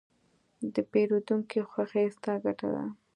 د پیرودونکي خوښي، ستا ګټه ده.